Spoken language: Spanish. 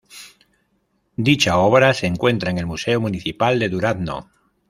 Dicha obra se encuentra en el Museo Municipal de Durazno.